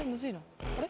あれ？